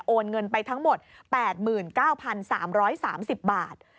เงินไปทั้งหมด๘๙๓๓๐บาท